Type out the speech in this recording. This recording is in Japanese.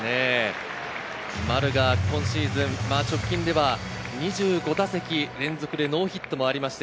丸が今シーズン、直近では２５打席連続でノーヒットもありました。